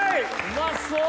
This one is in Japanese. うまそう！